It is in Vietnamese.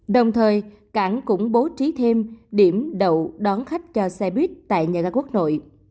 đồng thời cảng cũng bố trí thêm điểm đậu đón khách cho xe buýt tại nhà ga quốc nội